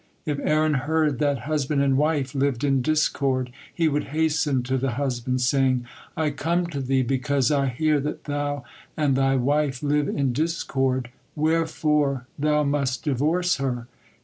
If Aaron heard that husband and wife lived in discord, he would hasten to the husband, saying: "I come to thee because I hear that thou and thy wife live in discord, wherefore thou must divorce her.